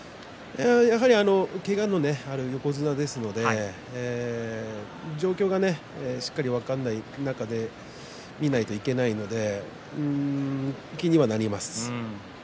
やはり、けがのある横綱ですので状況がしっかり分からない中で見ないといけないので気にはなります。